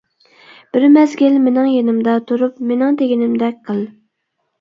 بىر مەزگىل مېنىڭ يېنىمدا تۇرۇپ، مېنىڭ دېگىنىمدەك قىل.